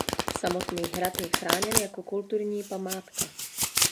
Samotný hrad je chráněn jako kulturní památka.